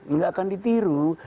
nggak akan ditiru